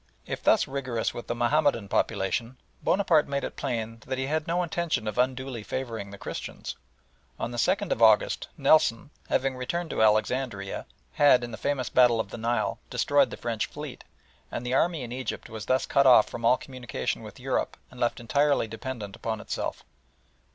If thus rigorous with the Mahomedan population, Bonaparte made it plain that he had no intention of unduly favouring the Christians. On the 2nd of August Nelson, having returned to Alexandria, had, in the famous battle of the Nile, destroyed the French fleet, and the army in Egypt was thus cut off from all communication with Europe and left entirely dependent upon itself.